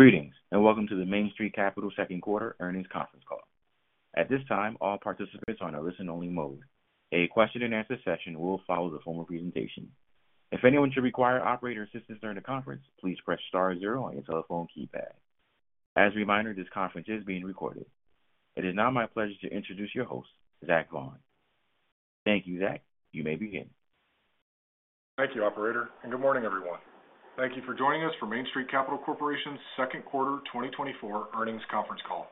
Greetings, and welcome to the Main Street Capital second quarter earnings conference call. At this time, all participants are on a listen-only mode. A question-and-answer session will follow the formal presentation. If anyone should require operator assistance during the conference, please press star zero on your telephone keypad. As a reminder, this conference is being recorded. It is now my pleasure to introduce your host, Zach Vaughan. Thank you, Zach. You may begin. Thank you, operator, and good morning, everyone. Thank you for joining us for Main Street Capital Corporation's second quarter 2024 earnings conference call.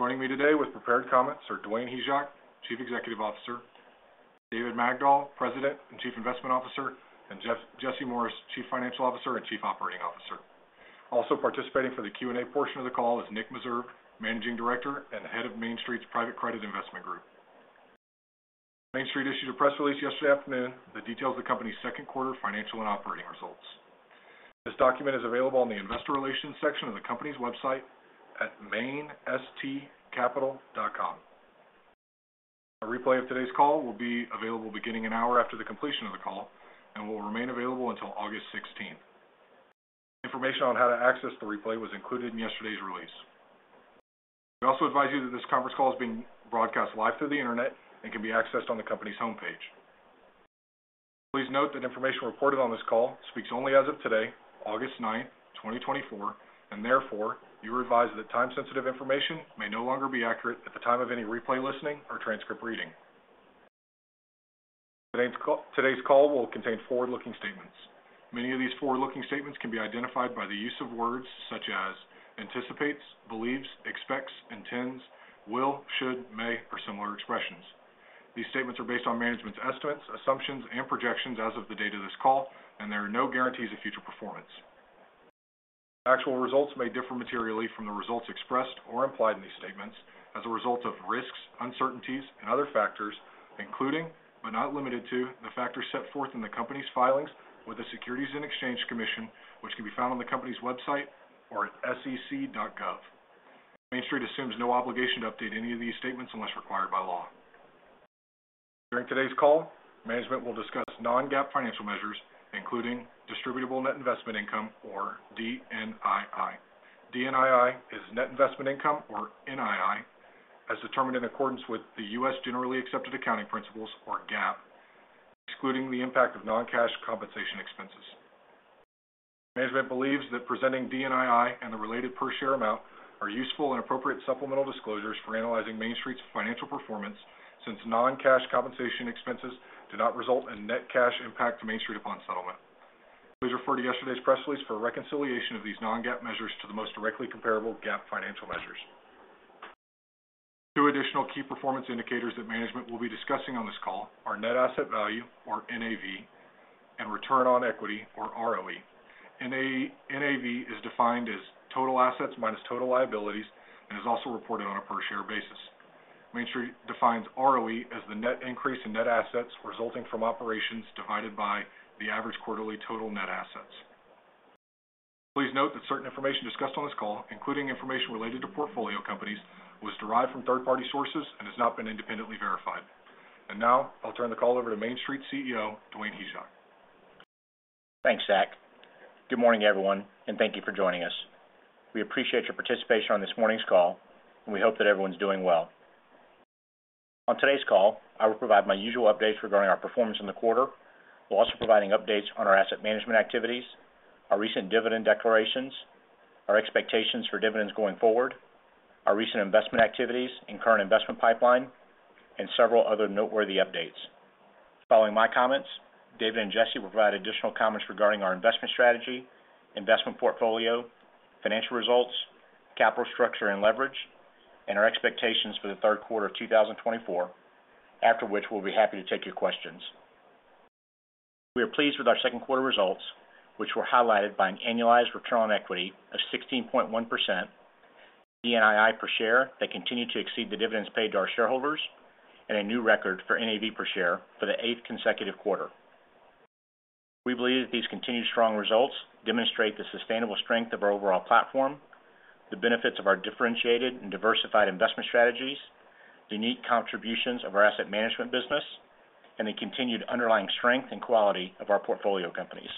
Joining me today with prepared comments are Dwayne Hyzak, Chief Executive Officer, David Magdol, President and Chief Investment Officer, and Jesse Morris, Chief Financial Officer and Chief Operating Officer. Also participating for the Q&A portion of the call is Nick Meserve, Managing Director and Head of Main Street's Private Credit Investment Group. Main Street issued a press release yesterday afternoon that details the company's second quarter financial and operating results. This document is available on the investor relations section of the company's website at mainstreetcapital.com. A replay of today's call will be available beginning an hour after the completion of the call and will remain available until August 16th. Information on how to access the replay was included in yesterday's release. We also advise you that this conference call is being broadcast live through the internet and can be accessed on the company's homepage. Please note that information reported on this call speaks only as of today, August 9th, 2024, and therefore, you're advised that time-sensitive information may no longer be accurate at the time of any replay, listening, or transcript reading. Today's call will contain forward-looking statements. Many of these forward-looking statements can be identified by the use of words such as anticipates, believes, expects, intends, will, should, may, or similar expressions. These statements are based on management's estimates, assumptions, and projections as of the date of this call, and there are no guarantees of future performance. Actual results may differ materially from the results expressed or implied in these statements as a result of risks, uncertainties, and other factors, including, but not limited to, the factors set forth in the company's filings with the Securities and Exchange Commission, which can be found on the company's website or at sec.gov. Main Street assumes no obligation to update any of these statements unless required by law. During today's call, management will discuss non-GAAP financial measures, including distributable net investment income, or DNII. DNII is net investment income, or NII, as determined in accordance with the U.S. Generally Accepted Accounting Principles, or GAAP, excluding the impact of non-cash compensation expenses. Management believes that presenting DNII and the related per share amount are useful and appropriate supplemental disclosures for analyzing Main Street's financial performance, since non-cash compensation expenses do not result in net cash impact to Main Street upon settlement. Please refer to yesterday's press release for a reconciliation of these non-GAAP measures to the most directly comparable GAAP financial measures. Two additional key performance indicators that management will be discussing on this call are net asset value, or NAV, and return on equity, or ROE. NAV is defined as total assets minus total liabilities and is also reported on a per-share basis. Main Street defines ROE as the net increase in net assets resulting from operations divided by the average quarterly total net assets. Please note that certain information discussed on this call, including information related to portfolio companies, was derived from third-party sources and has not been independently verified. Now, I'll turn the call over to Main Street CEO Dwayne Hyzak. Thanks, Zach. Good morning, everyone, and thank you for joining us. We appreciate your participation on this morning's call, and we hope that everyone's doing well. On today's call, I will provide my usual updates regarding our performance in the quarter, while also providing updates on our asset management activities, our recent dividend declarations, our expectations for dividends going forward, our recent investment activities and current investment pipeline, and several other noteworthy updates. Following my comments, David and Jesse will provide additional comments regarding our investment strategy, investment portfolio, financial results, capital structure and leverage, and our expectations for the third quarter of 2024, after which we'll be happy to take your questions. We are pleased with our second quarter results, which were highlighted by an annualized return on equity of 16.1%, DNII per share that continued to exceed the dividends paid to our shareholders, and a new record for NAV per share for the 8th consecutive quarter. We believe that these continued strong results demonstrate the sustainable strength of our overall platform, the benefits of our differentiated and diversified investment strategies, the unique contributions of our asset management business, and the continued underlying strength and quality of our portfolio companies.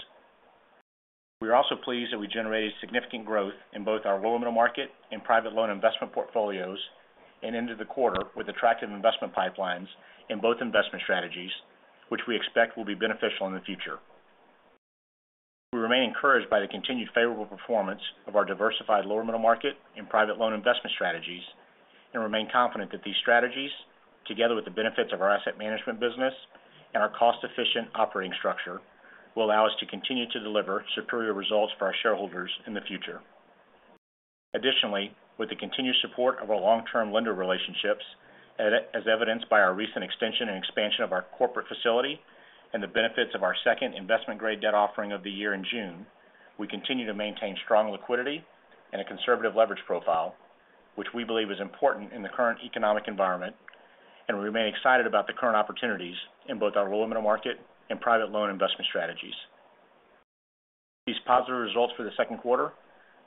We are also pleased that we generated significant growth in both our lower middle market and private loan investment portfolios and ended the quarter with attractive investment pipelines in both investment strategies, which we expect will be beneficial in the future. We remain encouraged by the continued favorable performance of our diversified lower middle market and private loan investment strategies and remain confident that these strategies, together with the benefits of our asset management business and our cost-efficient operating structure, will allow us to continue to deliver superior results for our shareholders in the future. Additionally, with the continued support of our long-term lender relationships, as evidenced by our recent extension and expansion of our corporate facility and the benefits of our second investment-grade debt offering of the year in June, we continue to maintain strong liquidity and a conservative leverage profile, which we believe is important in the current economic environment, and we remain excited about the current opportunities in both our lower middle market and private loan investment strategies. These positive results for the second quarter,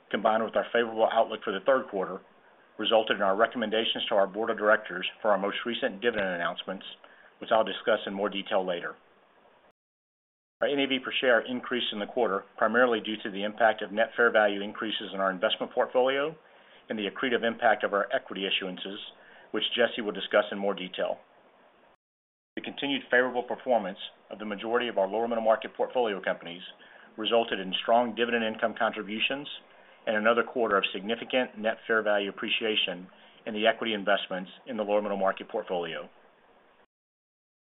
combined with our favorable outlook for the third quarter, resulted in our recommendations to our board of directors for our most recent dividend announcements, which I'll discuss in more detail later. Our NAV per share increased in the quarter, primarily due to the impact of net fair value increases in our investment portfolio and the accretive impact of our equity issuances, which Jesse will discuss in more detail. The continued favorable performance of the majority of our lower middle market portfolio companies resulted in strong dividend income contributions and another quarter of significant net fair value appreciation in the equity investments in the lower middle market portfolio.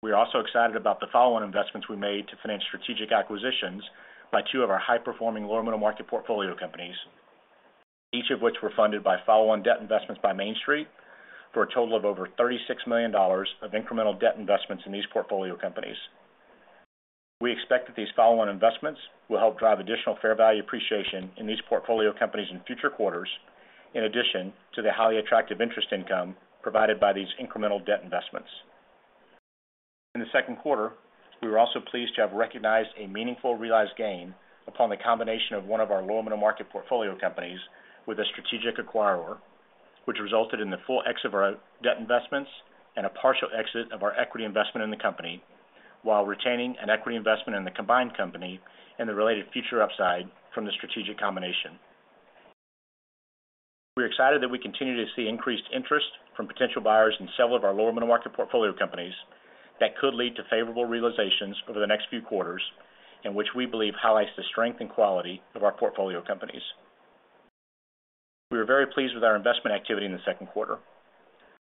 We are also excited about the follow-on investments we made to finance strategic acquisitions by two of our high-performing lower middle market portfolio companies, each of which were funded by follow-on debt investments by Main Street, for a total of over $36 million of incremental debt investments in these portfolio companies. We expect that these follow-on investments will help drive additional fair value appreciation in these portfolio companies in future quarters, in addition to the highly attractive interest income provided by these incremental debt investments. In the second quarter, we were also pleased to have recognized a meaningful realized gain upon the combination of one of our lower middle market portfolio companies with a strategic acquirer, which resulted in the full exit of our debt investments and a partial exit of our equity investment in the company, while retaining an equity investment in the combined company and the related future upside from the strategic combination. We're excited that we continue to see increased interest from potential buyers in several of our lower middle market portfolio companies that could lead to favorable realizations over the next few quarters, and which we believe highlights the strength and quality of our portfolio companies. We are very pleased with our investment activity in the second quarter.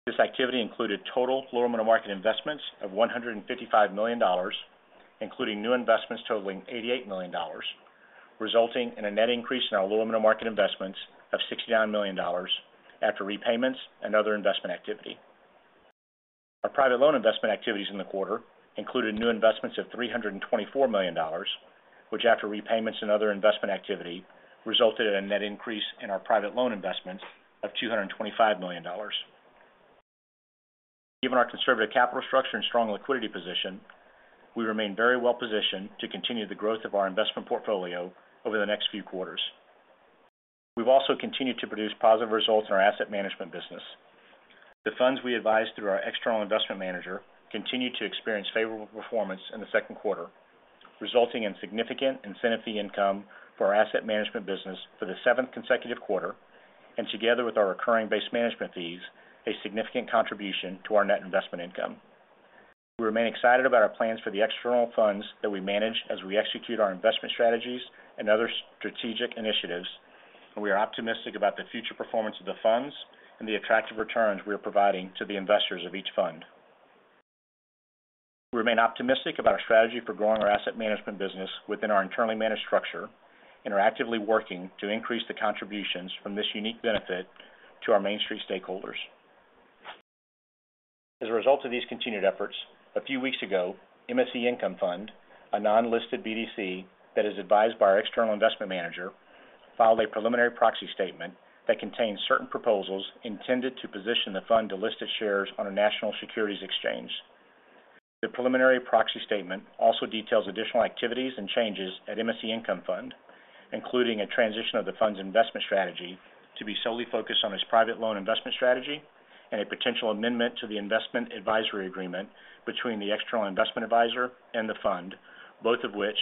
This activity included total lower middle market investments of $155 million, including new investments totaling $88 million, resulting in a net increase in our lower middle market investments of $69 million after repayments and other investment activity. Our private loan investment activities in the quarter included new investments of $324 million, which, after repayments and other investment activity, resulted in a net increase in our private loan investments of $225 million. Given our conservative capital structure and strong liquidity position, we remain very well positioned to continue the growth of our investment portfolio over the next few quarters. We've also continued to produce positive results in our asset management business. The funds we advise through our external investment manager continued to experience favorable performance in the second quarter, resulting in significant incentive fee income for our asset management business for the seventh consecutive quarter, and together with our recurring base management fees, a significant contribution to our net investment income. We remain excited about our plans for the external funds that we manage as we execute our investment strategies and other strategic initiatives, and we are optimistic about the future performance of the funds and the attractive returns we are providing to the investors of each fund. We remain optimistic about our strategy for growing our asset management business within our internally managed structure and are actively working to increase the contributions from this unique benefit to our Main Street stakeholders. As a result of these continued efforts, a few weeks ago, MSC Income Fund, a non-listed BDC that is advised by our external investment manager, filed a preliminary proxy statement that contains certain proposals intended to position the fund to list its shares on a national securities exchange. The preliminary proxy statement also details additional activities and changes at MSC Income Fund, including a transition of the fund's investment strategy to be solely focused on its private loan investment strategy and a potential amendment to the investment advisory agreement between the external investment advisor and the fund, both of which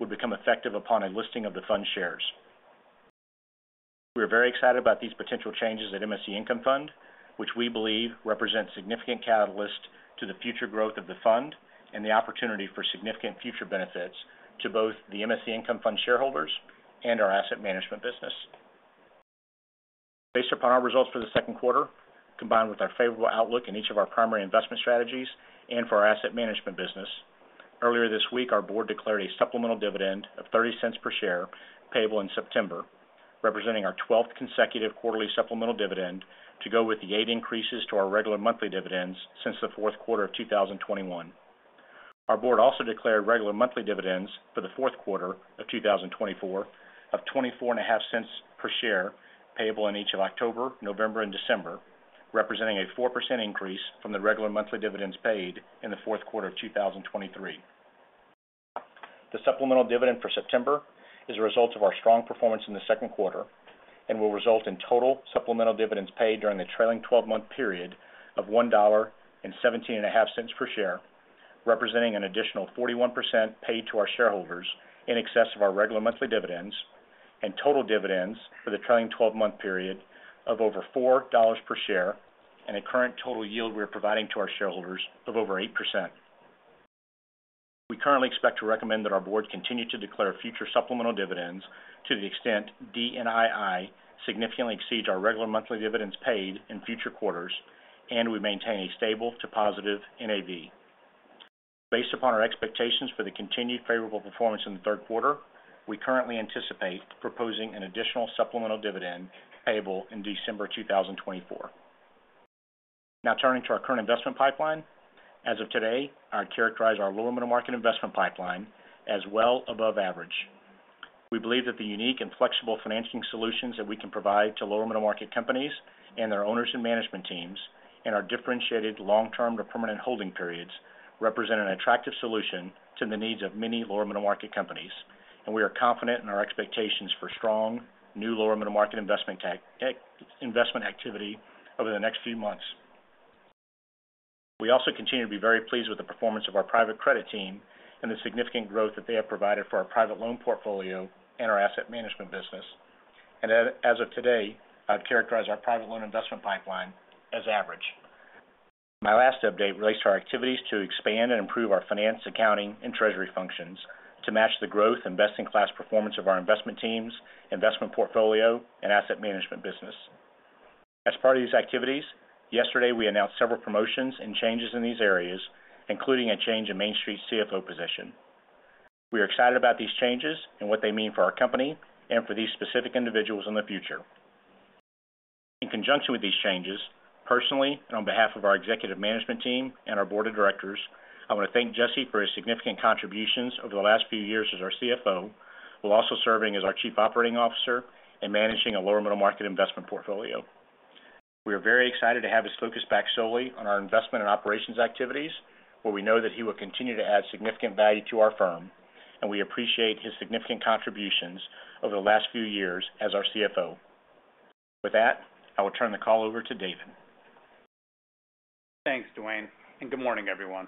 would become effective upon a listing of the fund's shares. We are very excited about these potential changes at MSC Income Fund, which we believe represent significant catalyst to the future growth of the fund and the opportunity for significant future benefits to both the MSC Income Fund shareholders and our asset management business. Based upon our results for the second quarter, combined with our favorable outlook in each of our primary investment strategies and for our asset management business, earlier this week, our board declared a supplemental dividend of $0.30 per share, payable in September, representing our 12th consecutive quarterly supplemental dividend to go with the 8 increases to our regular monthly dividends since the fourth quarter of 2021. Our board also declared regular monthly dividends for the fourth quarter of 2024 of $0.245 per share, payable in each of October, November, and December, representing a 4% increase from the regular monthly dividends paid in the fourth quarter of 2023. The supplemental dividend for September is a result of our strong performance in the second quarter and will result in total supplemental dividends paid during the trailing twelve-month period of $1.175 per share, representing an additional 41% paid to our shareholders in excess of our regular monthly dividends, and total dividends for the trailing twelve-month period of over $4 per share, and a current total yield we are providing to our shareholders of over 8%. We currently expect to recommend that our board continue to declare future supplemental dividends to the extent DNII significantly exceeds our regular monthly dividends paid in future quarters, and we maintain a stable to positive NAV. Based upon our expectations for the continued favorable performance in the third quarter, we currently anticipate proposing an additional supplemental dividend payable in December 2024. Now, turning to our current investment pipeline. As of today, I'd characterize our lower middle market investment pipeline as well above average. We believe that the unique and flexible financing solutions that we can provide to lower middle market companies and their owners and management teams, and our differentiated long-term to permanent holding periods, represent an attractive solution to the needs of many lower middle market companies, and we are confident in our expectations for strong, new lower middle market investment activity over the next few months. We also continue to be very pleased with the performance of our private credit team and the significant growth that they have provided for our private loan portfolio and our asset management business. And as of today, I'd characterize our private loan investment pipeline as average. My last update relates to our activities to expand and improve our finance, accounting, and treasury functions to match the growth and best-in-class performance of our investment teams, investment portfolio, and asset management business. As part of these activities, yesterday, we announced several promotions and changes in these areas, including a change in Main Street's CFO position. We are excited about these changes and what they mean for our company and for these specific individuals in the future. In conjunction with these changes, personally and on behalf of our executive management team and our board of directors, I want to thank Jesse for his significant contributions over the last few years as our CFO, while also serving as our Chief Operating Officer and managing a lower middle-market investment portfolio. We are very excited to have his focus back solely on our investment and operations activities, where we know that he will continue to add significant value to our firm, and we appreciate his significant contributions over the last few years as our CFO. With that, I will turn the call over to David. Thanks, Dwayne, and good morning, everyone.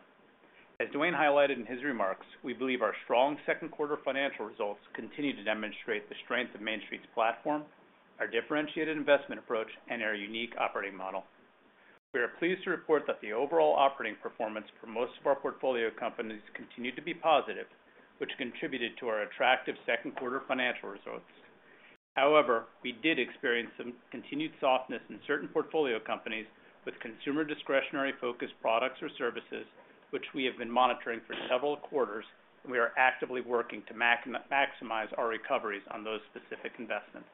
As Dwayne highlighted in his remarks, we believe our strong second quarter financial results continue to demonstrate the strength of Main Street's platform, our differentiated investment approach, and our unique operating model. We are pleased to report that the overall operating performance for most of our portfolio companies continued to be positive, which contributed to our attractive second quarter financial results. However, we did experience some continued softness in certain portfolio companies with consumer discretionary-focused products or services, which we have been monitoring for several quarters, and we are actively working to maximize our recoveries on those specific investments.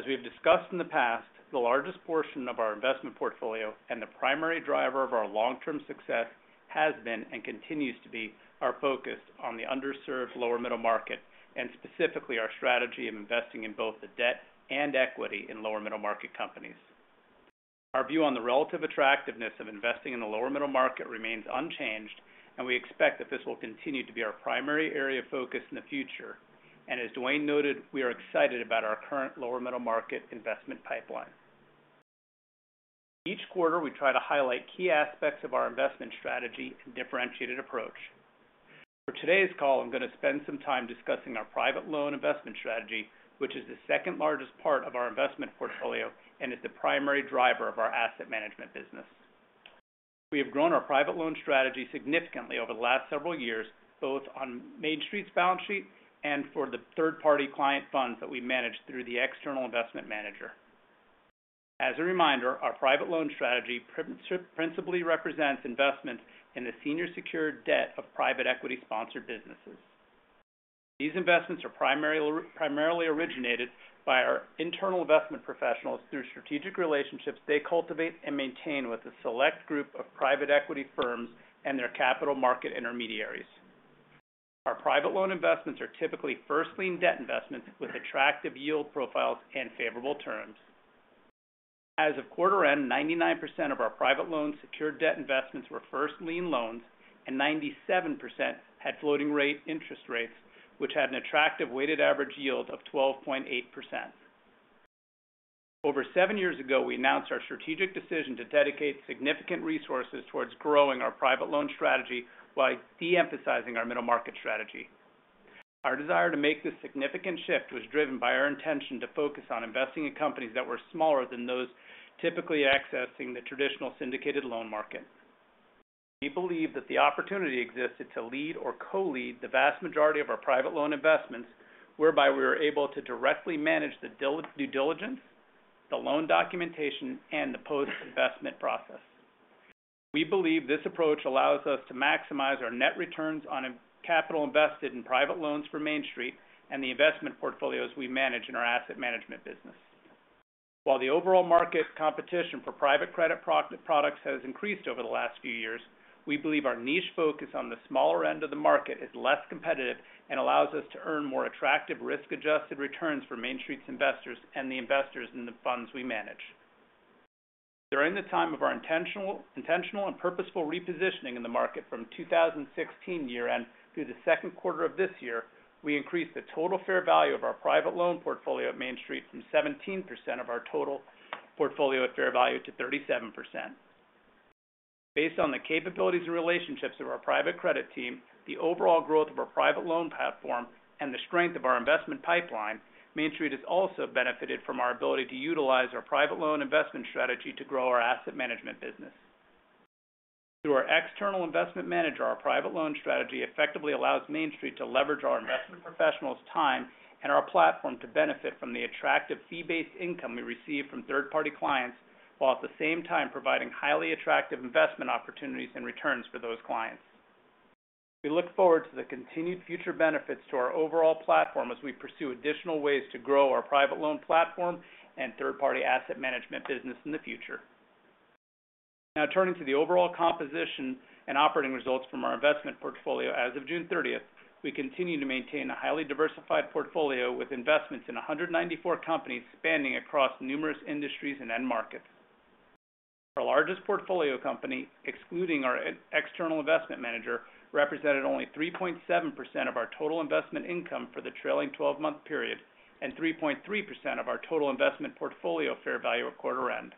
As we have discussed in the past, the largest portion of our investment portfolio and the primary driver of our long-term success has been and continues to be our focus on the underserved lower middle market, and specifically, our strategy of investing in both the debt and equity in lower middle-market companies. Our view on the relative attractiveness of investing in the lower middle market remains unchanged, and we expect that this will continue to be our primary area of focus in the future. As Dwayne noted, we are excited about our current lower middle-market investment pipeline. Each quarter, we try to highlight key aspects of our investment strategy and differentiated approach. For today's call, I'm gonna spend some time discussing our private loan investment strategy, which is the second-largest part of our investment portfolio and is the primary driver of our asset management business. We have grown our private loan strategy significantly over the last several years, both on Main Street's balance sheet and for the third-party client funds that we manage through the external investment manager. As a reminder, our private loan strategy principally represents investments in the senior secured debt of private equity-sponsored businesses. These investments are primarily, primarily originated by our internal investment professionals through strategic relationships they cultivate and maintain with a select group of private equity firms and their capital market intermediaries. Our private loan investments are typically first-lien debt investments with attractive yield profiles and favorable terms. As of quarter end, 99% of our private loan secured debt investments were first-lien loans, and 97% had floating rate interest rates, which had an attractive weighted average yield of 12.8%. Over seven years ago, we announced our strategic decision to dedicate significant resources towards growing our private loan strategy while de-emphasizing our middle market strategy. Our desire to make this significant shift was driven by our intention to focus on investing in companies that were smaller than those typically accessing the traditional syndicated loan market. We believe that the opportunity existed to lead or co-lead the vast majority of our private loan investments, whereby we were able to directly manage the due diligence, the loan documentation, and the post-investment process. We believe this approach allows us to maximize our net returns on invested capital in private loans for Main Street and the investment portfolios we manage in our asset management business. While the overall market competition for private credit products has increased over the last few years, we believe our niche focus on the smaller end of the market is less competitive and allows us to earn more attractive risk-adjusted returns for Main Street's investors and the investors in the funds we manage. During the time of our intentional and purposeful repositioning in the market from 2016 year-end through the second quarter of this year, we increased the total fair value of our private loan portfolio at Main Street from 17% of our total portfolio at fair value to 37%. Based on the capabilities and relationships of our private credit team, the overall growth of our private loan platform, and the strength of our investment pipeline, Main Street has also benefited from our ability to utilize our private loan investment strategy to grow our asset management business. Through our external investment manager, our private loan strategy effectively allows Main Street to leverage our investment professionals' time and our platform to benefit from the attractive fee-based income we receive from third-party clients, while at the same time providing highly attractive investment opportunities and returns for those clients. We look forward to the continued future benefits to our overall platform as we pursue additional ways to grow our private loan platform and third-party asset management business in the future. Now, turning to the overall composition and operating results from our investment portfolio. As of June 30th, we continue to maintain a highly diversified portfolio with investments in 194 companies, spanning across numerous industries and end markets. Our largest portfolio company, excluding our external investment manager, represented only 3.7% of our total investment income for the trailing twelve-month period and 3.3% of our total investment portfolio fair value at quarter end.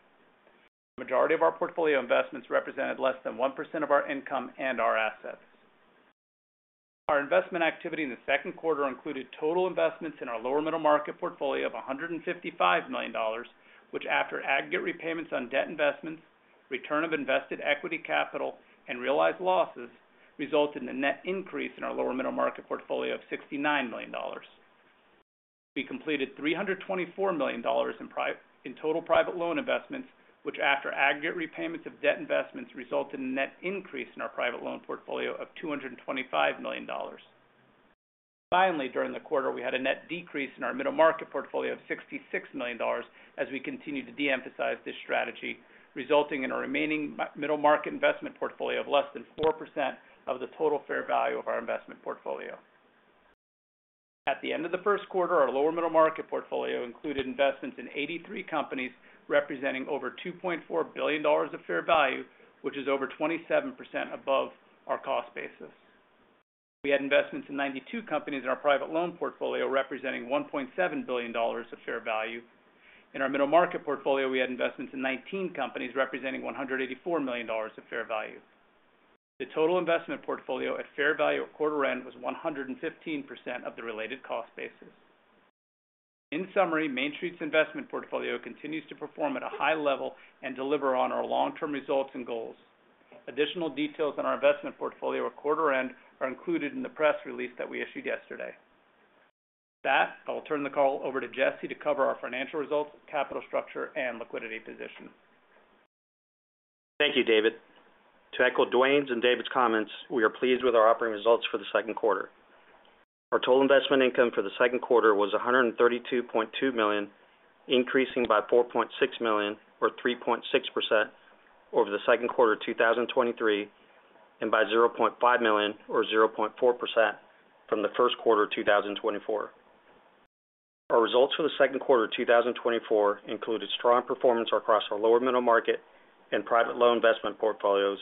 Majority of our portfolio investments represented less than 1% of our income and our assets. Our investment activity in the second quarter included total investments in our lower middle market portfolio of $155 million, which, after aggregate repayments on debt investments, return of invested equity capital, and realized losses, resulted in a net increase in our lower middle market portfolio of $69 million. We completed $324 million in total private loan investments, which after aggregate repayments of debt investments, resulted in a net increase in our private loan portfolio of $225 million. Finally, during the quarter, we had a net decrease in our middle market portfolio of $66 million as we continued to de-emphasize this strategy, resulting in a remaining middle market investment portfolio of less than 4% of the total fair value of our investment portfolio. At the end of the first quarter, our lower middle market portfolio included investments in 83 companies, representing over $2.4 billion of fair value, which is over 27% above our cost basis. We had investments in 92 companies in our private loan portfolio, representing $1.7 billion of fair value. In our middle market portfolio, we had investments in 19 companies, representing $184 million of fair value. The total investment portfolio at fair value at quarter end was 115% of the related cost basis. In summary, Main Street's investment portfolio continues to perform at a high level and deliver on our long-term results and goals. Additional details on our investment portfolio at quarter end are included in the press release that we issued yesterday. With that, I will turn the call over to Jesse to cover our financial results, capital structure, and liquidity position. Thank you, David. To echo Dwayne's and David's comments, we are pleased with our operating results for the second quarter. Our total investment income for the second quarter was $132.2 million, increasing by $4.6 million, or 3.6%, over the second quarter of 2023 and by $0.5 million, or 0.4%, from the first quarter of 2024. Our results for the second quarter of 2024 included strong performance across our lower middle market and private loan investment portfolios,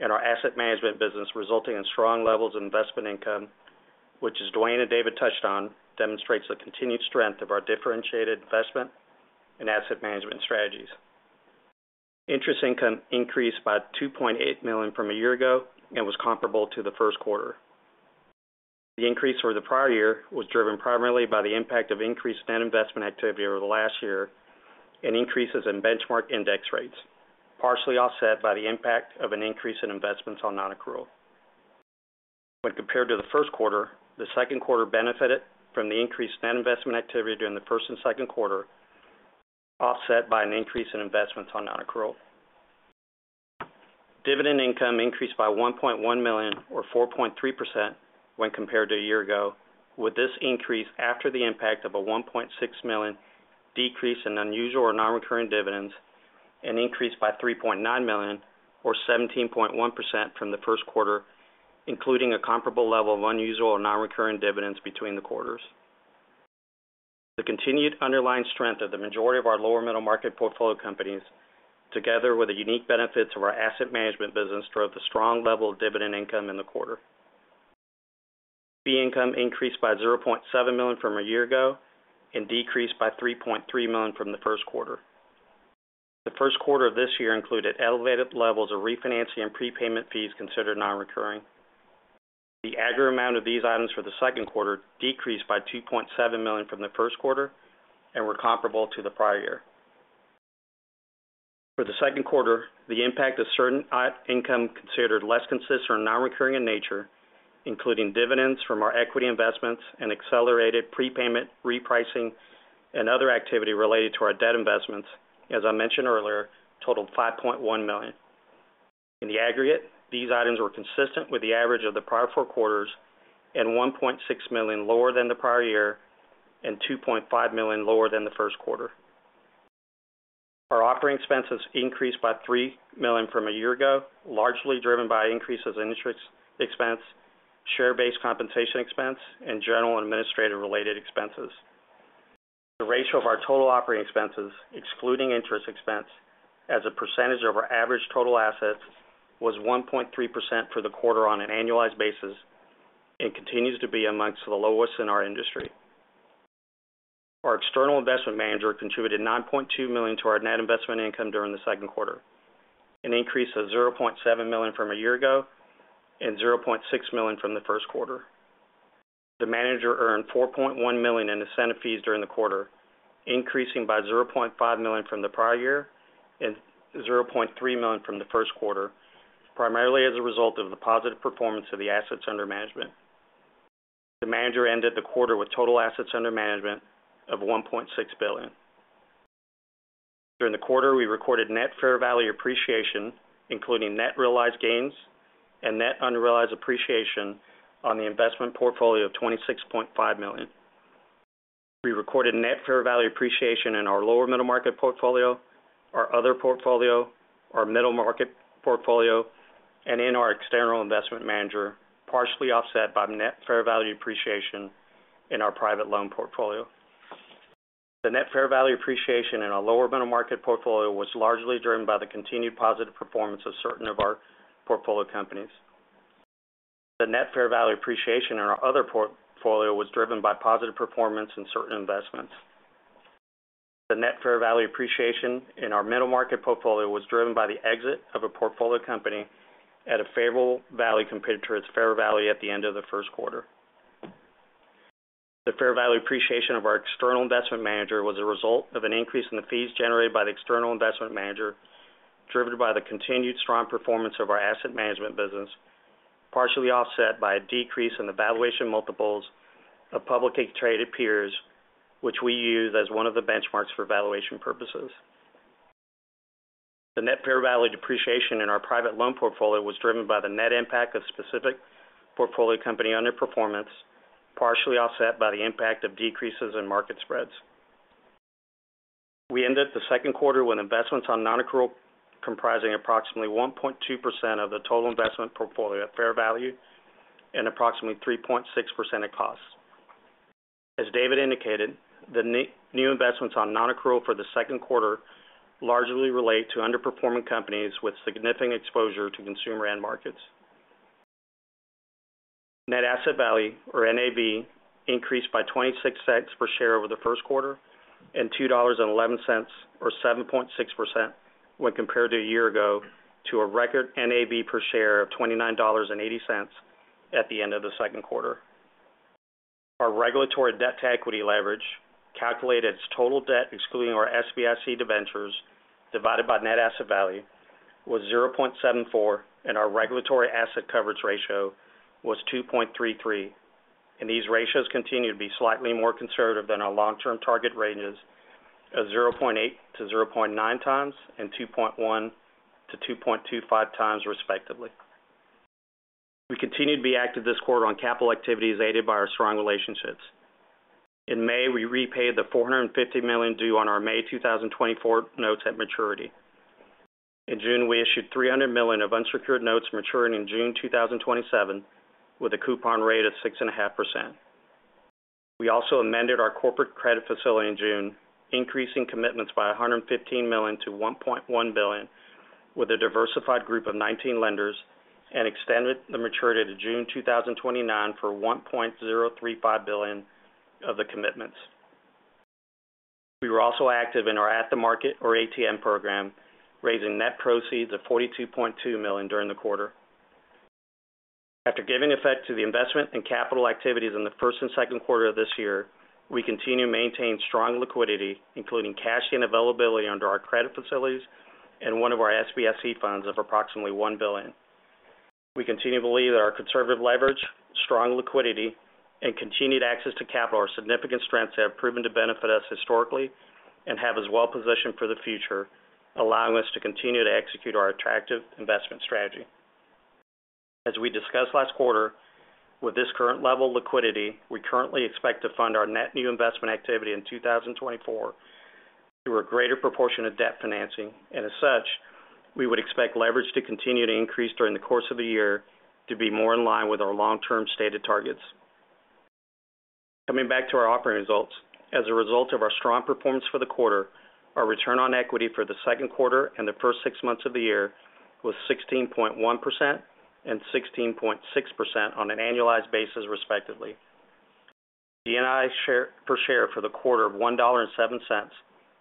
and our asset management business resulting in strong levels of investment income, which, as Dwayne and David touched on, demonstrates the continued strength of our differentiated investment and asset management strategies. Interest income increased by $2.8 million from a year ago and was comparable to the first quarter. The increase over the prior year was driven primarily by the impact of increased net investment activity over the last year and increases in benchmark index rates, partially offset by the impact of an increase in investments on nonaccrual. When compared to the first quarter, the second quarter benefited from the increased net investment activity during the first and second quarter, offset by an increase in investments on nonaccrual. Dividend income increased by $1.1 million, or 4.3% when compared to a year ago, with this increase after the impact of a $1.6 million decrease in unusual or nonrecurring dividends and increased by $3.9 million, or 17.1%, from the first quarter, including a comparable level of unusual or nonrecurring dividends between the quarters. The continued underlying strength of the majority of our lower middle market portfolio companies, together with the unique benefits of our asset management business, drove the strong level of dividend income in the quarter. Fee income increased by $0.7 million from a year ago and decreased by $3.3 million from the first quarter. The first quarter of this year included elevated levels of refinancing and prepayment fees considered nonrecurring. The aggregate amount of these items for the second quarter decreased by $2.7 million from the first quarter and were comparable to the prior year. For the second quarter, the impact of certain other income considered less consistent or nonrecurring in nature, including dividends from our equity investments and accelerated prepayment, repricing, and other activity related to our debt investments, as I mentioned earlier, totaled $5.1 million. In the aggregate, these items were consistent with the average of the prior four quarters and $1.6 million lower than the prior year and $2.5 million lower than the first quarter. Our operating expenses increased by $3 million from a year ago, largely driven by increases in interest expense, share-based compensation expense, and general and administrative related expenses. The ratio of our total operating expenses, excluding interest expense, as a percentage of our average total assets, was 1.3% for the quarter on an annualized basis and continues to be among the lowest in our industry. Our external investment manager contributed $9.2 million to our net investment income during the second quarter, an increase of $0.7 million from a year ago and $0.6 million from the first quarter. The manager earned $4.1 million in incentive fees during the quarter, increasing by $0.5 million from the prior year and $0.3 million from the first quarter, primarily as a result of the positive performance of the assets under management. The manager ended the quarter with total assets under management of $1.6 billion. During the quarter, we recorded net fair value appreciation, including net realized gains and net unrealized appreciation on the investment portfolio of $26.5 million. We recorded net fair value appreciation in our lower middle market portfolio, our other portfolio, our middle market portfolio, and in our external investment manager, partially offset by net fair value appreciation in our private loan portfolio. The net fair value appreciation in our lower middle market portfolio was largely driven by the continued positive performance of certain of our portfolio companies. The net fair value appreciation in our other portfolio was driven by positive performance in certain investments. The net fair value appreciation in our middle market portfolio was driven by the exit of a portfolio company at a favorable value compared to its fair value at the end of the first quarter. The fair value appreciation of our external investment manager was a result of an increase in the fees generated by the external investment manager, driven by the continued strong performance of our asset management business, partially offset by a decrease in the valuation multiples of publicly traded peers, which we use as one of the benchmarks for valuation purposes. The net fair value depreciation in our private loan portfolio was driven by the net impact of specific portfolio company underperformance, partially offset by the impact of decreases in market spreads. We ended the second quarter with investments on nonaccrual, comprising approximately 1.2% of the total investment portfolio at fair value and approximately 3.6% at cost. As David indicated, the new investments on nonaccrual for the second quarter largely relate to underperforming companies with significant exposure to consumer end markets. Net asset value, or NAV, increased by $0.26 per share over the first quarter, and $2.11, or 7.6%, when compared to a year ago to a record NAV per share of $29.80 at the end of the second quarter. Our regulatory debt-to-equity leverage, calculated as total debt, excluding our SBIC debentures, divided by net asset value, was 0.74, and our regulatory asset coverage ratio was 2.33, and these ratios continue to be slightly more conservative than our long-term target ranges of 0.8-0.9 times and 2.1-2.25 times, respectively. We continued to be active this quarter on capital activities, aided by our strong relationships. In May, we repaid the $450 million due on our May 2024 notes at maturity. In June, we issued $300 million of unsecured notes maturing in June 2027, with a coupon rate of 6.5%. We also amended our corporate credit facility in June, increasing commitments by $115 million - $1.1 billion with a diversified group of 19 lenders and extended the maturity to June 2029 for $1.035 billion of the commitments. We were also active in our at-the-market, or ATM program, raising net proceeds of $42.2 million during the quarter. After giving effect to the investment and capital activities in the first and second quarter of this year, we continue to maintain strong liquidity, including cash and availability under our credit facilities and one of our SBIC funds of approximately $1 billion. We continue to believe that our conservative leverage, strong liquidity, and continued access to capital are significant strengths that have proven to benefit us historically and have us well positioned for the future, allowing us to continue to execute our attractive investment strategy. As we discussed last quarter, with this current level of liquidity, we currently expect to fund our net new investment activity in 2024 through a greater proportion of debt financing. As such, we would expect leverage to continue to increase during the course of the year to be more in line with our long-term stated targets. Coming back to our operating results. As a result of our strong performance for the quarter, our return on equity for the second quarter and the first six months of the year was 16.1% and 16.6% on an annualized basis, respectively. DNI per share for the quarter of $1.07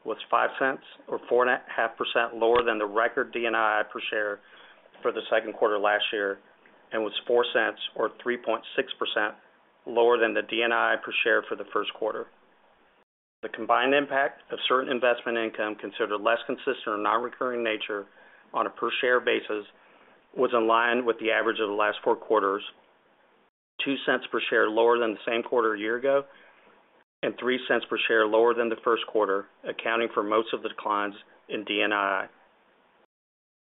was $0.05, or 4.5%, lower than the record DNI per share for the second quarter last year, and was $0.04, or 3.6%, lower than the DNI per share for the first quarter. The combined impact of certain investment income considered less consistent or nonrecurring nature on a per share basis was in line with the average of the last four quarters, $0.02 per share lower than the same quarter a year ago, and $0.03 per share lower than the first quarter, accounting for most of the declines in DNI.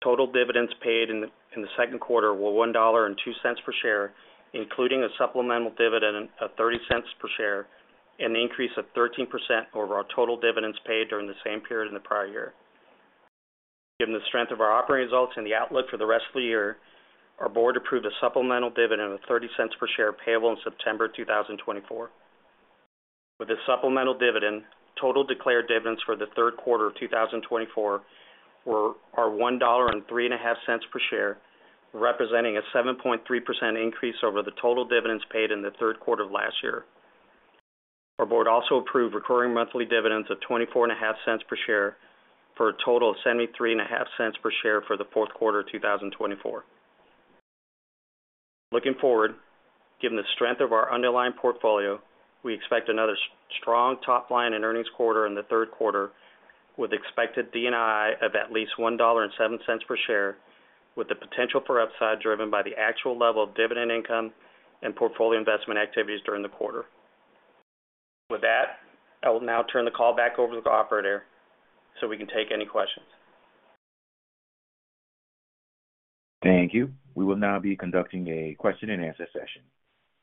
Total dividends paid in the second quarter were $1.02 per share, including a supplemental dividend of $0.30 per share, an increase of 13% over our total dividends paid during the same period in the prior year. Given the strength of our operating results and the outlook for the rest of the year, our board approved a supplemental dividend of $0.30 per share, payable in September 2024. With this supplemental dividend, total declared dividends for the third quarter of 2024 were, are $1.035 per share, representing a 7.3% increase over the total dividends paid in the third quarter of last year. Our board also approved recurring monthly dividends of $0.245 per share for a total of $0.735 per share for the fourth quarter of 2024. Looking forward, given the strength of our underlying portfolio, we expect another strong top line in earnings quarter in the third quarter, with expected DNI of at least $1.07 per share, with the potential for upside, driven by the actual level of dividend income and portfolio investment activities during the quarter. With that, I will now turn the call back over to the operator, so we can take any questions. Thank you. We will now be conducting a question-and-answer session.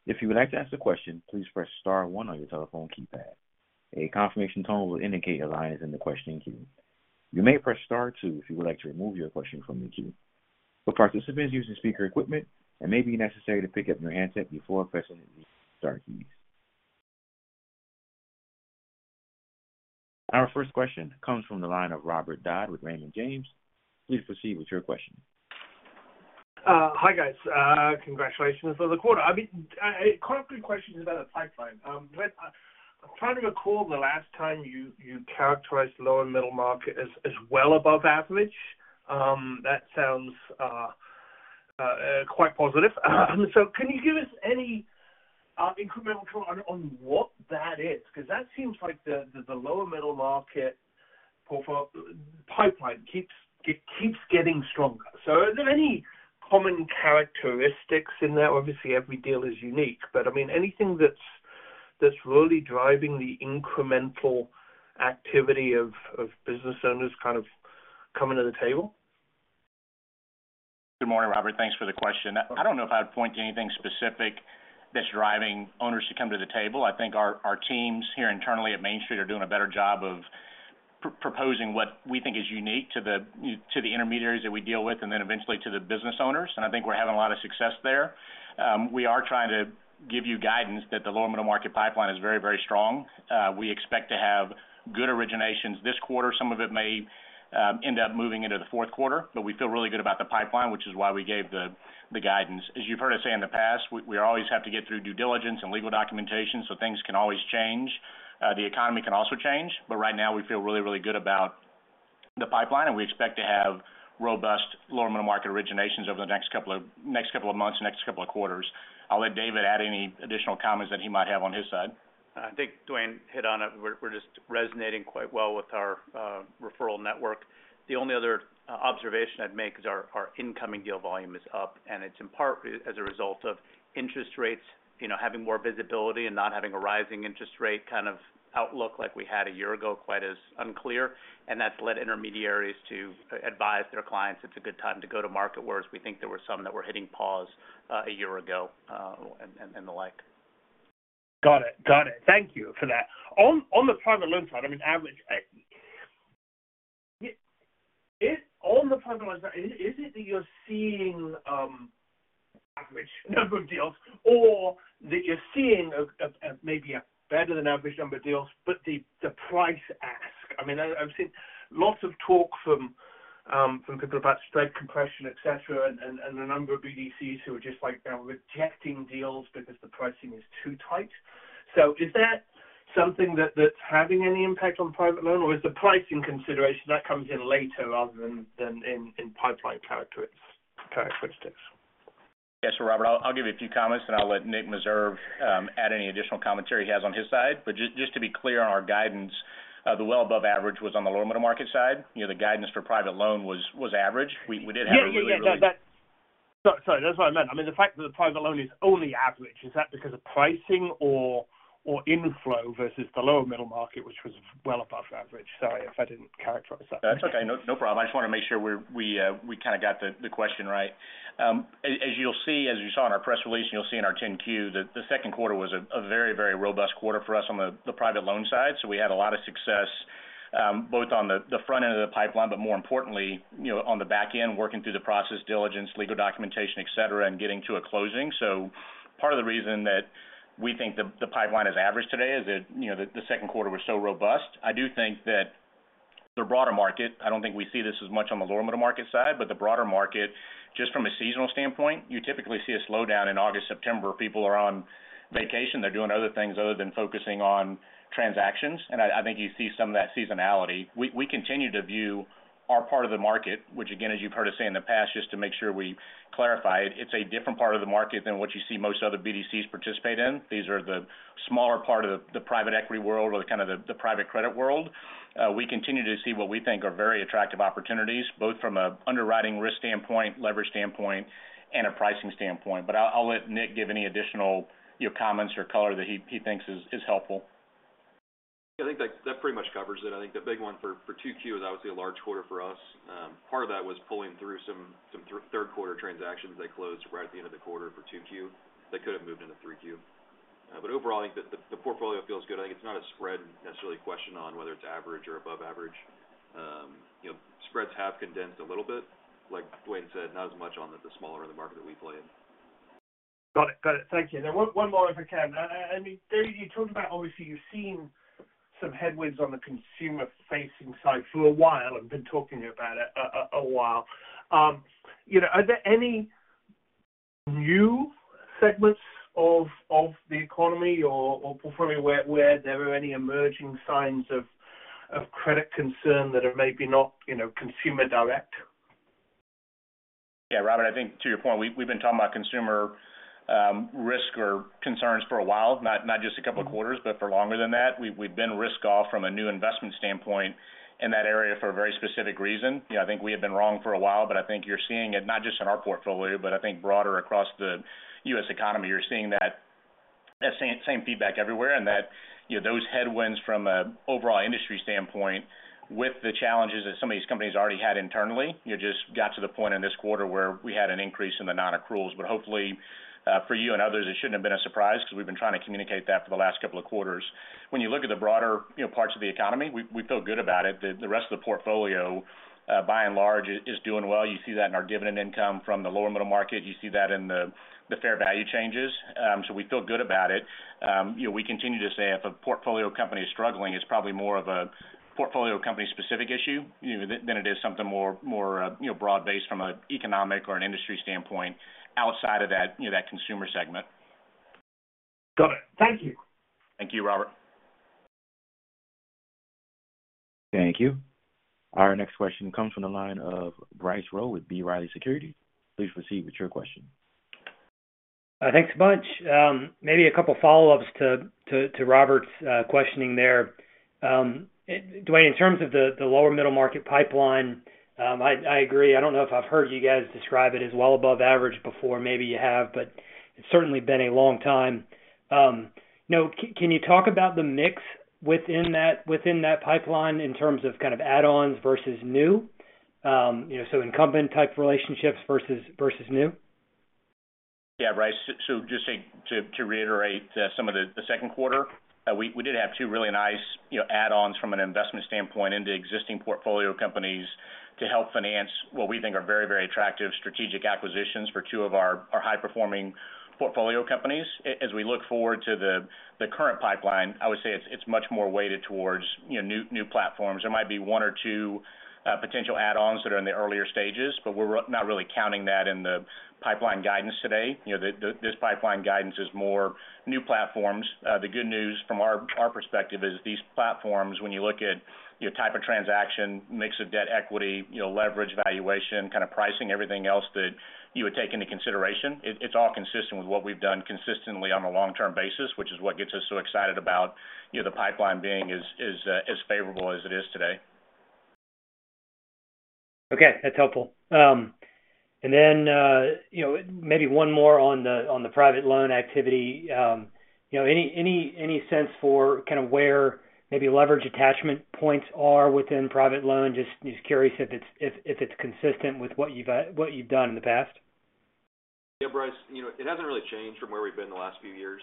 If you would like to ask a question, please press star one on your telephone keypad. A confirmation tone will indicate your line is in the question queue. You may press Star two if you would like to remove your question from the queue. For participants using speaker equipment, it may be necessary to pick up your handset before pressing the star keys. Our first question comes from the line of Robert Dodd with Raymond James. Please proceed with your question. Hi, guys. Congratulations on the quarter. I mean, a couple of quick questions about the pipeline. When I'm trying to recall the last time you characterized lower middle market as well above average. That sounds quite positive. So can you give us any incremental color on what that is? Because that seems like the lower middle market pipeline keeps getting stronger. So are there any common characteristics in there? Obviously, every deal is unique, but I mean, anything that's really driving the incremental activity of business owners kind of coming to the table? Good morning, Robert. Thanks for the question. I don't know if I'd point to anything specific that's driving owners to come to the table. I think our teams here internally at Main Street are doing a better job of proposing what we think is unique to the intermediaries that we deal with, and then eventually to the business owners, and I think we're having a lot of success there. We are trying to give you guidance that the lower middle market pipeline is very, very strong. We expect to have good originations this quarter. Some of it may end up moving into the fourth quarter, but we feel really good about the pipeline, which is why we gave the guidance. As you've heard us say in the past, we always have to get through due diligence and legal documentation, so things can always change. The economy can also change, but right now we feel really, really good about the pipeline, and we expect to have robust lower middle market originations over the next couple of months and next couple of quarters. I'll let David add any additional comments that he might have on his side. I think Dwayne hit on it. We're just resonating quite well with our referral network. The only other observation I'd make is our incoming deal volume is up, and it's in part as a result of interest rates, you know, having more visibility and not having a rising interest rate kind of outlook like we had a year ago, quite as unclear. That's led intermediaries to advise their clients it's a good time to go to market, whereas we think there were some that were hitting pause a year ago, and the like. Got it. Got it. Thank you for that. On the private loan side, I mean, average. On the private loan side, is it that you're seeing average number of deals, or that you're seeing maybe a better than average number of deals, but the price ask? I mean, I've seen lots of talk from people about spread compression, et cetera, and a number of BDCs who are just, like, now rejecting deals because the pricing is too tight. So is that something that's having any impact on private loan, or is the pricing consideration that comes in later rather than in pipeline characteristics? Yes. So Robert, I'll give you a few comments, and I'll let Nick Meserve add any additional commentary he has on his side. But just to be clear on our guidance, the well above average was on the lower middle market side. You know, the guidance for private loan was average. We did have a really really- Yeah, yeah, yeah. That, that... Sorry, that's what I meant. I mean, the fact that the private loan is only average, is that because of pricing or, or inflow versus the lower middle market, which was well above average? Sorry if I didn't characterize that. That's okay. No, no problem. I just want to make sure we kind of got the question right. As you'll see, as you saw in our press release, and you'll see in our 10-Q, that the second quarter was a very, very robust quarter for us on the private loan side. So we had a lot of success, both on the front end of the pipeline, but more importantly, you know, on the back end, working through the process, diligence, legal documentation, et cetera, and getting to a closing. So part of the reason that we think the pipeline is average today is that, you know, the second quarter was so robust. I do think that the broader market, I don't think we see this as much on the lower middle market side, but the broader market, just from a seasonal standpoint, you typically see a slowdown in August, September. People are on vacation, they're doing other things other than focusing on transactions, and I, I think you see some of that seasonality. We, we continue to view our part of the market, which, again, as you've heard us say in the past, just to make sure we clarify it, it's a different part of the market than what you see most other BDCs participate in. These are the smaller part of the private equity world or the kind of private credit world. We continue to see what we think are very attractive opportunities, both from a underwriting risk standpoint, leverage standpoint, and a pricing standpoint. But I'll let Nick give any additional, you know, comments or color that he thinks is helpful. I think that, that pretty much covers it. I think the big one for, for 2Q is obviously a large quarter for us. Part of that was pulling through some, some third quarter transactions that closed right at the end of the quarter for 2Q, that could have moved into 3Q. But overall, I think the, the portfolio feels good. I think it's not a spread necessarily question on whether it's average or above average. You know, spreads have condensed a little bit. Like Dwayne said, not as much on the smaller end of the market that we play in. Got it. Got it. Thank you. Now, one more, if I can. I mean, there you talked about obviously, you've seen some headwinds on the consumer-facing side for a while and been talking about it a while. You know, are there any new segments of the economy or performing where there are any emerging signs of credit concern that are maybe not, you know, consumer direct? Yeah, Robert, I think to your point, we've been talking about consumer risk or concerns for a while, not just a couple of quarters, but for longer than that. We've been risk off from a new investment standpoint in that area for a very specific reason. You know, I think we have been wrong for a while, but I think you're seeing it not just in our portfolio, but I think broader across the U.S. economy. You're seeing that same feedback everywhere and that, you know, those headwinds from an overall industry standpoint, with the challenges that some of these companies already had internally, you know, just got to the point in this quarter where we had an increase in the non-accruals. But hopefully, for you and others, it shouldn't have been a surprise, because we've been trying to communicate that for the last couple of quarters. When you look at the broader, you know, parts of the economy, we feel good about it. The rest of the portfolio, by and large, is doing well. You see that in our dividend income from the lower middle market. You see that in the fair value changes. So we feel good about it. You know, we continue to say if a portfolio company is struggling, it's probably more of a portfolio company-specific issue, you know, than it is something more, more, you know, broad-based from an economic or an industry standpoint outside of that, you know, that consumer segment. ..Got it. Thank you. Thank you, Robert. Thank you. Our next question comes from the line of Bryce Rowe with B. Riley Securities. Please proceed with your question. Thanks a bunch. Maybe a couple follow-ups to Robert's questioning there. Dwayne, in terms of the lower middle market pipeline, I agree. I don't know if I've heard you guys describe it as well above average before. Maybe you have, but it's certainly been a long time. Now, can you talk about the mix within that pipeline in terms of kind of add-ons versus new? You know, so incumbent-type relationships versus new. Yeah, Bryce. So just to reiterate, some of the second quarter, we did have two really nice, you know, add-ons from an investment standpoint into existing portfolio companies to help finance what we think are very, very attractive strategic acquisitions for two of our high-performing portfolio companies. As we look forward to the current pipeline, I would say it's much more weighted towards, you know, new platforms. There might be one or two potential add-ons that are in the earlier stages, but we're not really counting that in the pipeline guidance today. You know, this pipeline guidance is more new platforms. The good news from our perspective is these platforms, when you look at, you know, type of transaction, mix of debt, equity, you know, leverage, valuation, kind of pricing, everything else that you would take into consideration, it's all consistent with what we've done consistently on a long-term basis, which is what gets us so excited about, you know, the pipeline being as favorable as it is today. Okay, that's helpful. And then, you know, maybe one more on the private loan activity. You know, any sense for kind of where maybe leverage attachment points are within private loan? Just curious if it's consistent with what you've done in the past. Yeah, Bryce, you know, it hasn't really changed from where we've been the last few years.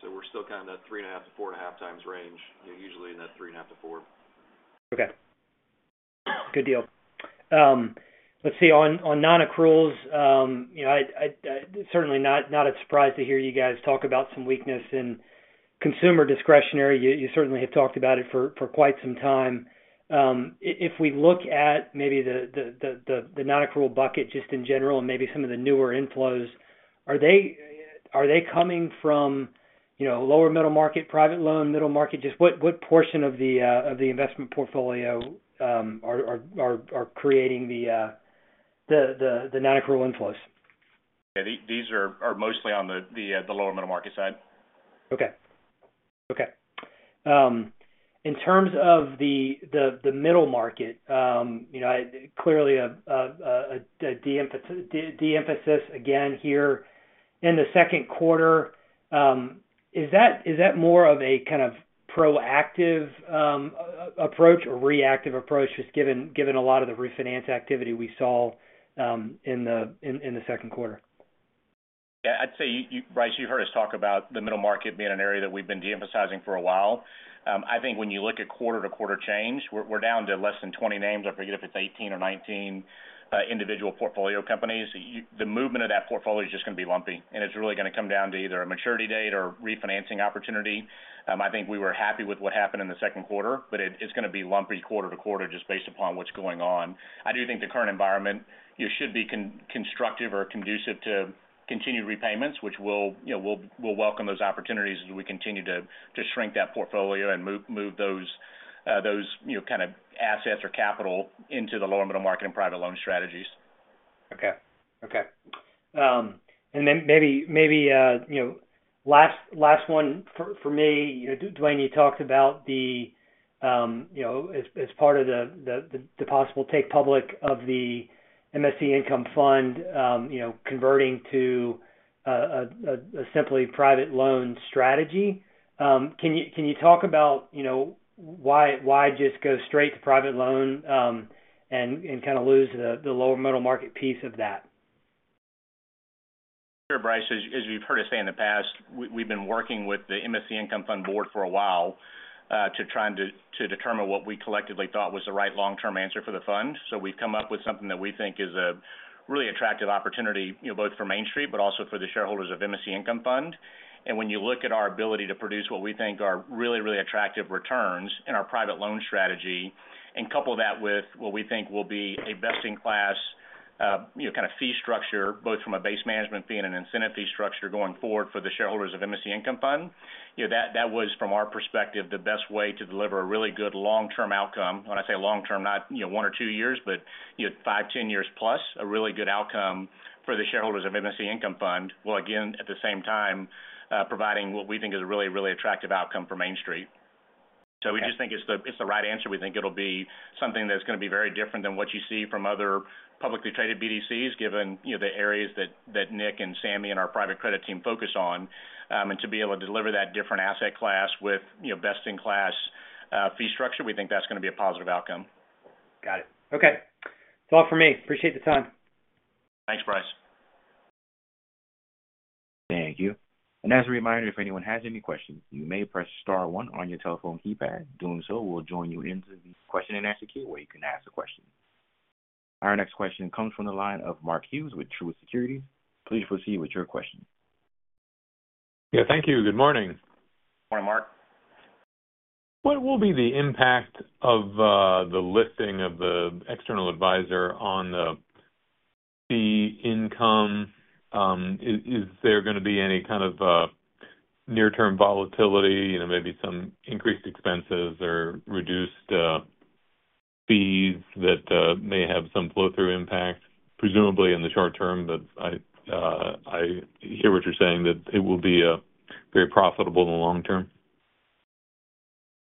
So we're still kind of in that 3.5x-4.5x range, you know, usually in that 3.5x-4x. Okay. Good deal. Let's see, on non-accruals, you know, I certainly not a surprise to hear you guys talk about some weakness in consumer discretionary. You certainly have talked about it for quite some time. If we look at maybe the non-accrual bucket just in general and maybe some of the newer inflows, are they coming from, you know, lower middle market, private loan, middle market? Just what portion of the investment portfolio are creating the non-accrual inflows? Yeah, these are mostly on the lower middle market side. Okay. Okay. In terms of the middle market, you know, clearly, a de-emphasis again here in the second quarter, is that more of a kind of proactive approach or reactive approach, just given a lot of the refinance activity we saw in the second quarter? Yeah, I'd say, Bryce, you heard us talk about the middle market being an area that we've been de-emphasizing for a while. I think when you look at quarter-to-quarter change, we're down to less than 20 names. I forget if it's 18 or 19 individual portfolio companies. The movement of that portfolio is just gonna be lumpy, and it's really gonna come down to either a maturity date or refinancing opportunity. I think we were happy with what happened in the second quarter, but it's gonna be lumpy quarter to quarter just based upon what's going on. I do think the current environment should be conducive to continued repayments, which we'll, you know, welcome those opportunities as we continue to shrink that portfolio and move those, you know, kind of assets or capital into the lower middle market and private loan strategies. Okay. Okay. And then maybe you know, last one for me. You know, Dwayne, you talked about the you know, as part of the possible take public of the MSC Income Fund, you know, converting to a simply private loan strategy. Can you talk about you know, why just go straight to private loan, and kind of lose the lower middle market piece of that? Sure, Bryce. As you've heard us say in the past, we've been working with the MSC Income Fund board for a while to try to determine what we collectively thought was the right long-term answer for the fund. So we've come up with something that we think is a really attractive opportunity, you know, both for Main Street, but also for the shareholders of MSC Income Fund. And when you look at our ability to produce what we think are really, really attractive returns in our private loan strategy, and couple that with what we think will be a best-in-class, you know, kind of fee structure, both from a base management fee and an incentive fee structure going forward for the shareholders of MSC Income Fund, you know, that was, from our perspective, the best way to deliver a really good long-term outcome. When I say long term, not, you know, one or two years, but, you know, five, 10+ years, a really good outcome for the shareholders of MSC Income Fund, while again, at the same time, providing what we think is a really, really attractive outcome for Main Street. Okay. So we just think it's the right answer. We think it'll be something that's gonna be very different than what you see from other publicly traded BDCs, given, you know, the areas that Nick and Sammy and our private credit team focus on. To be able to deliver that different asset class with, you know, best-in-class fee structure, we think that's gonna be a positive outcome. Got it. Okay. That's all for me. Appreciate the time. Thanks, Bryce. Thank you. As a reminder, if anyone has any questions, you may press star one on your telephone keypad. Doing so will join you into the question and answer queue, where you can ask a question. Our next question comes from the line of Mark Hughes with Truist Securities. Please proceed with your question. Yeah, thank you. Good morning. Morning, Mark. What will be the impact of the listing of the external advisor on the fee income? Is there gonna be any kind of near-term volatility, you know, maybe some increased expenses or reduced fees that may have some flow-through impact, presumably in the short term? But I hear what you're saying, that it will be very profitable in the long term.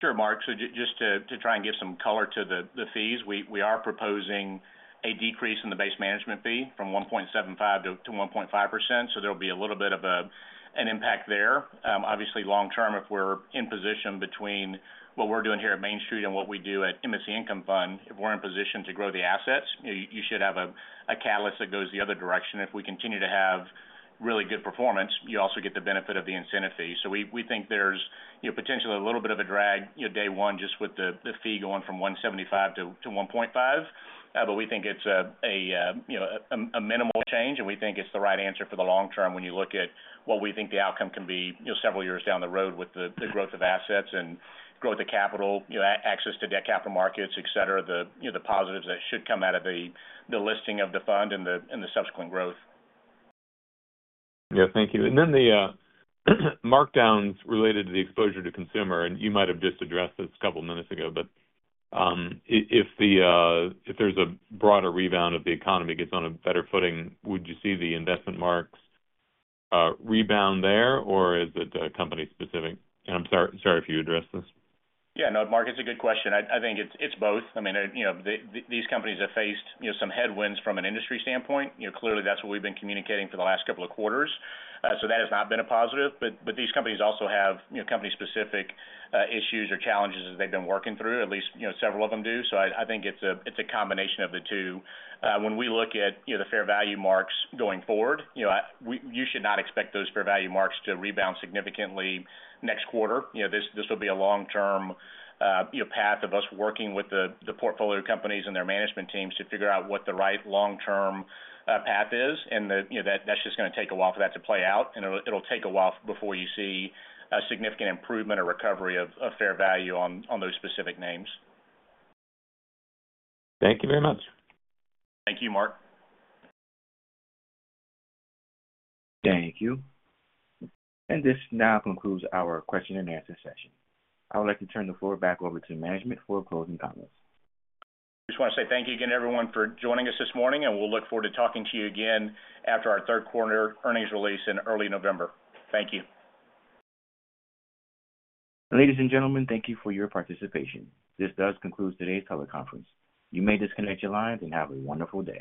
Sure, Mark. So just to try and give some color to the fees, we are proposing a decrease in the base management fee from 1.75% to 1.5%, so there'll be a little bit of an impact there. Obviously, long term, if we're in position between what we're doing here at Main Street and what we do at MSC Income Fund, if we're in position to grow the assets, you should have a catalyst that goes the other direction. If we continue to have really good performance, you also get the benefit of the incentive fee. So we think there's, you know, potentially a little bit of a drag, you know, day one, just with the fee going from 1.75 to 1.5. But we think it's a minimal change, and we think it's the right answer for the long term when you look at what we think the outcome can be, you know, several years down the road with the growth of assets and growth of capital, you know, access to debt capital markets, et cetera, you know, the positives that should come out of the listing of the fund and the subsequent growth. Yeah. Thank you. And then the markdowns related to the exposure to consumer, and you might have just addressed this a couple minutes ago, but if there's a broader rebound of the economy, gets on a better footing, would you see the investment marks rebound there, or is it company specific? And I'm sorry, sorry if you addressed this. Yeah, no, Mark, it's a good question. I, I think it's, it's both. I mean, you know, the, these companies have faced, you know, some headwinds from an industry standpoint. You know, clearly that's what we've been communicating for the last couple of quarters. So that has not been a positive. But, but these companies also have, you know, company-specific, issues or challenges that they've been working through, at least, you know, several of them do. So I, I think it's a, it's a combination of the two. When we look at, you know, the fair value marks going forward, you know, you should not expect those fair value marks to rebound significantly next quarter. You know, this, this will be a long-term, you know, path of us working with the, the portfolio companies and their management teams to figure out what the right long-term path is, and the, you know, that, that's just gonna take a while for that to play out, and it'll, it'll take a while before you see a significant improvement or recovery of fair value on those specific names. Thank you very much. Thank you, Mark. Thank you. This now concludes our question-and-answer session. I would like to turn the floor back over to management for closing comments. Just wanna say thank you again, everyone, for joining us this morning, and we'll look forward to talking to you again after our third quarter earnings release in early November. Thank you. Ladies and gentlemen, thank you for your participation. This does conclude today's teleconference. You may disconnect your lines, and have a wonderful day.